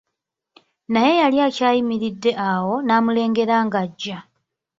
Naye yali akyayimiridde awo, n'amulengera ng'ajja.